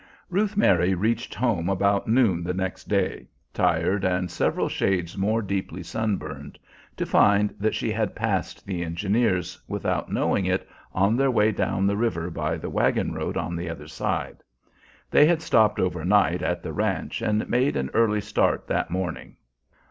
Ruth Mary reached home about noon the next day, tired and several shades more deeply sunburned, to find that she had passed the engineers, without knowing it, on their way down the river by the wagon road on the other side. They had stopped over night at the ranch and made an early start that morning.